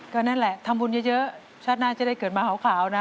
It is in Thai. ก็นั่นแหละทำบุญเยอะชาติหน้าจะได้เกิดมาขาวนะ